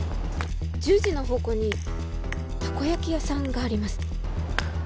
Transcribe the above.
１０時の方向にタコ焼き屋さんがあります